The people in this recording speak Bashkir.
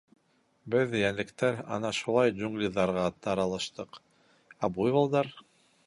Беҙ, йәнлектәр, ана шулай джунглиҙарға таралыштыҡ, ә буйволдар...